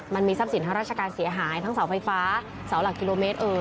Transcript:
มันมีทรัพย์สินทางราชการเสียหายทั้งเสาไฟฟ้าเสาหลักกิโลเมตรเอ่ย